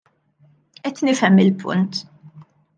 Qed nifhem il-punt.